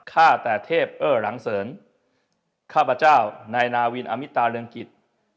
ฆ่าแต่เทพเอ้อหลังเสริญข้าพเจ้านายนาวินอมิตาเรืองกิจ